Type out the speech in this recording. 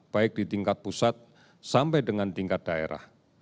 baik di tingkat pusat sampai dengan tingkat daerah